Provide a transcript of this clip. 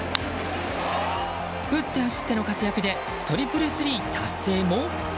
打って走っての活躍でトリプルスリー達成も？